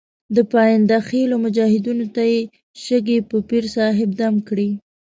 د پاینده خېلو مجاهدینو ته یې شګې په پیر صاحب دم کړې.